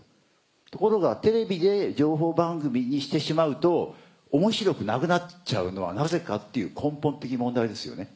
ところがテレビで情報番組にしてしまうと面白くなくなっちゃうのはなぜかっていう根本的問題ですよね。